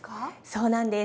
そうなんです。